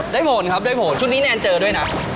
ผลครับได้ผลชุดนี้แนนเจอด้วยนะ